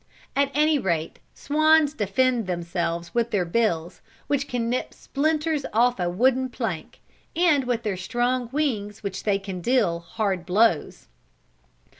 At any rate swans defend themselves with their bills, which can nip splinters off a wooden plank, and with their strong wings they can deal hard blows.